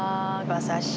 馬刺し。